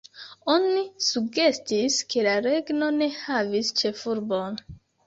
Oni sugestis ke la regno ne havis ĉefurbon.